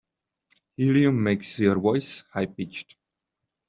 Helium makes your voice high pitched.